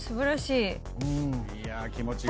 「いやあ気持ちがいい」